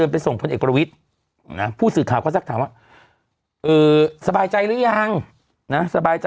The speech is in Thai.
ไปส่งพลเอกวิทย์ผู้สื่อถามสบายใจหรือยังสบาย